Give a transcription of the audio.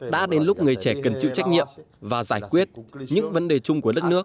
đã đến lúc người trẻ cần chịu trách nhiệm và giải quyết những vấn đề chung của đất nước